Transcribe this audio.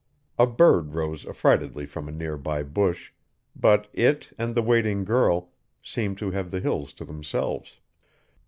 A bird rose affrightedly from a near by bush; but it, and the waiting girl, seemed to have the Hills to themselves.